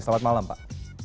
selamat malam pak